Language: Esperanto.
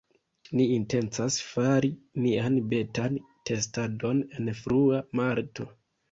Ni intencas fari nian betan testadon en frua marto